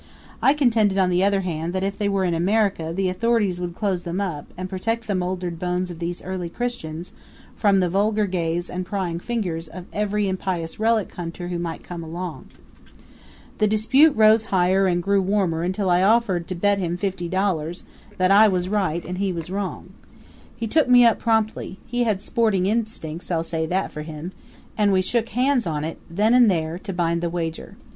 I contended, on the other hand, that if they were in America the authorities would close them up and protect the moldered bones of those early Christians from the vulgar gaze and prying fingers of every impious relic hunter who might come along. The dispute rose higher and grew warmer until I offered to bet him fifty dollars that I was right and he was wrong. He took me up promptly he had sporting instincts; I'll say that for him and we shook hands on it then and there to bind the wager.